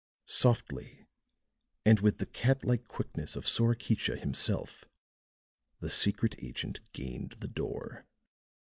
Softly, and with the catlike quickness of Sorakicha himself, the secret agent gained the door.